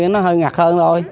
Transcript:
nó hơi ngặt hơn thôi